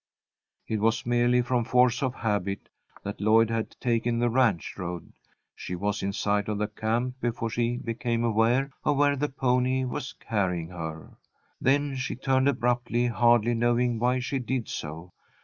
It was merely from force of habit that Lloyd had taken the ranch road. She was in sight of the camp before she became aware of where the pony was carrying her. Then she turned abruptly, hardly knowing why she did so.